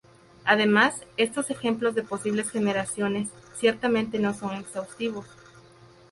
Además, estos ejemplos de posibles generalizaciones ciertamente no son exhaustivos.